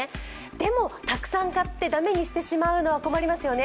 でも、たくさん買って駄目にしてしまうのは困りますよね。